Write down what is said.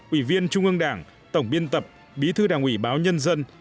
ủy viên trung ương đảng tổng biên tập bí thư đảng ủy báo nhân dân